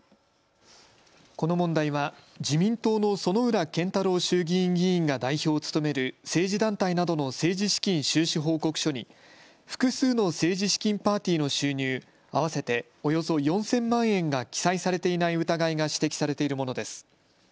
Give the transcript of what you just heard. この問題は自民党の薗浦健太郎衆議院議員が代表を務める政治団体などの政治資金収支報告書に複数の政治資金パーティーの収入合わせておよそ４０００万円が記載されていない疑いが指摘されているものです。